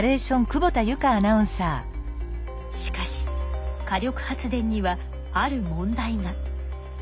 しかし火力発電にはある問題が。